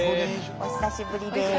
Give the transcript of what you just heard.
お久しぶりです。